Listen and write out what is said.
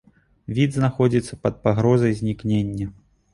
Від знаходзіцца пад пагрозай знікнення.